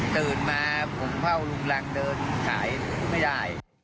ตื่นมาผมเผ่าลุงรังเดินขายไม่ได้